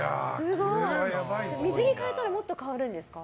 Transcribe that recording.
水着を替えたらもっと変わるんですか？